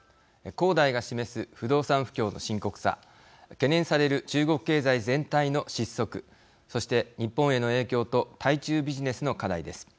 恒大が示す不動産不況の深刻さ懸念される中国経済全体の失速そして日本への影響と対中ビジネスの課題です。